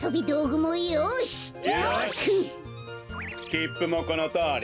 きっぷもこのとおり！